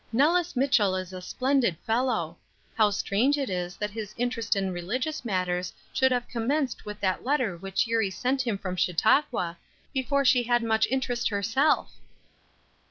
Nellis Mitchell is a splendid fellow. How strange it is that his interest in religious matters should have commenced with that letter which Eurie sent him from Chautauqua, before she had much interest herself."